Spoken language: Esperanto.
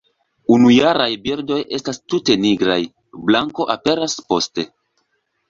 Unujaraj birdoj estas tute nigraj; blanko aperas poste.